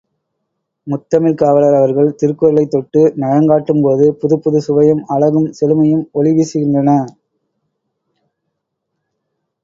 முத்தமிழ்க் காவலர் அவர்கள் திருக்குறளைத் தொட்டு நயங்காட்டும்போது, புதுப்புதுச் சுவையும், அழகும், செழுமையும் ஒளி வீசுகின்றன.